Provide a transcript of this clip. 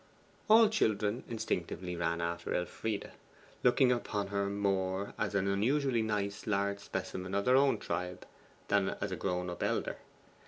All children instinctively ran after Elfride, looking upon her more as an unusually nice large specimen of their own tribe than as a grown up elder.